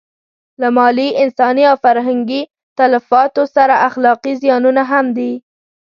له مالي، انساني او فرهنګي تلفاتو سره اخلاقي زیانونه هم دي.